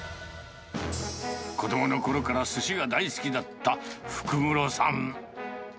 子どものころからすしが大好きだった福室さん。